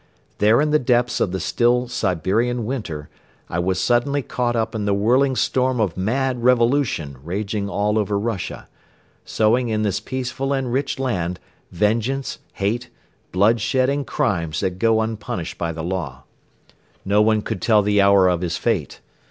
There in the depths of the still Siberian winter I was suddenly caught up in the whirling storm of mad revolution raging all over Russia, sowing in this peaceful and rich land vengeance, hate, bloodshed and crimes that go unpunished by the law. No one could tell the hour of his fate.